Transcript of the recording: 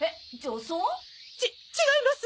ち違います！